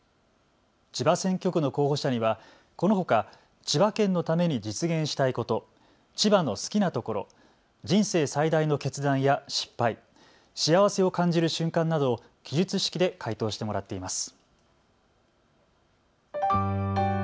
千葉選挙区の候補者にはこのほか千葉県のために実現したいこと、千葉の好きなところ、人生最大の決断や失敗、幸せを感じる瞬間などを記述式で回答してもらっています。